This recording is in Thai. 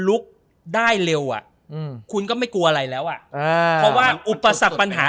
ลุกได้เร็วอ่ะอืมคุณก็ไม่กลัวอะไรแล้วอ่ะอ่าเพราะว่าอุปสรรคปัญหา